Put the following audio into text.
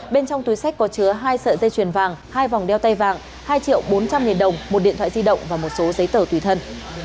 bên trong túi sách có chứa hai sợi dây chuyền vàng hai vòng đeo tay vàng hai triệu bốn trăm linh nghìn đồng một điện thoại di động và một số giấy tờ tùy thân